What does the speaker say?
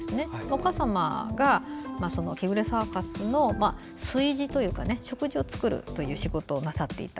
お母様がキグレサーカスの炊事というか食事を作る仕事をなさっていた。